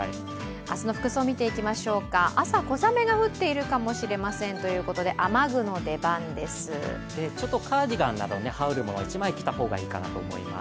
明日の服装を見ていきましょうか、朝、小雨が降っているかもしれませんということでカーディガンなどはおるものを１枚着た方がいいと思います。